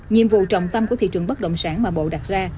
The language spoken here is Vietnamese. nhiệm vụ trọng tâm của thị trường bất động sản mà bộ đặt ra